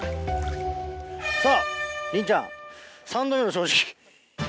さぁリンちゃん三度目の正直。